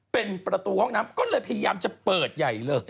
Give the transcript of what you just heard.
เป็นประตูห้องน้ำก็เลยพยายามจะเปิดใหญ่เลย